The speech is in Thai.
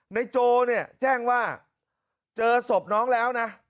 โจเนี่ยแจ้งว่าเจอศพน้องแล้วนะ